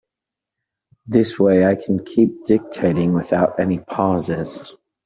This way I can keep dictating without any pauses.